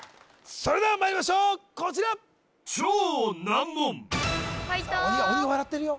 それではまいりましょうこちらさあ鬼が笑ってるよ